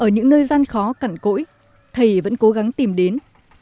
thời gian khó cản cỗi thầy vẫn cố gắng tìm đến